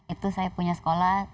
itu saya punya sekolah